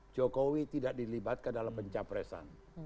jokowi tidak dilibatkan dalam pencapresan